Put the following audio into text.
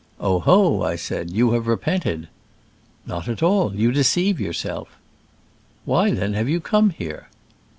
"Oh ho !" I said, "you have repented?" " Not at all : you deceive yourself." "Why, then, have you come here?"